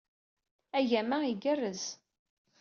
Agama igerrez